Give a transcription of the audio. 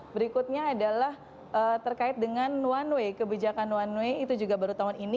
berikutnya adalah terkait dengan one way kebijakan one way itu juga baru tahun ini